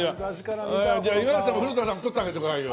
五十嵐さんも古田さん撮ってあげてくださいよ。